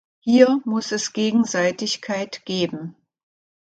Hier muss es Gegenseitigkeit geben.